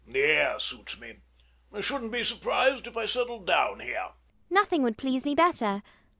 The air suits me. I shouldn't be surprised if I settled down here. ELLIE. Nothing would please me better.